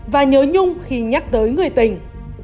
và nhớ nhung khi nhắc tới người tình